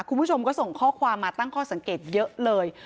คุณผู้ชมก็ส่งข้อความมาตั้งข้อสังเกตเยอะเลย